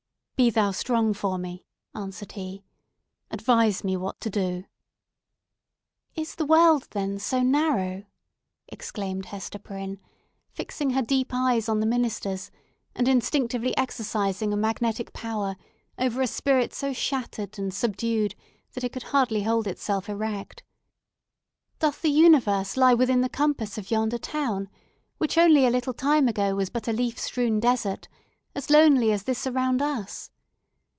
"Be thou strong for me!" answered he. "Advise me what to do." "Is the world, then, so narrow?" exclaimed Hester Prynne, fixing her deep eyes on the minister's, and instinctively exercising a magnetic power over a spirit so shattered and subdued that it could hardly hold itself erect. "Doth the universe lie within the compass of yonder town, which only a little time ago was but a leaf strewn desert, as lonely as this around us?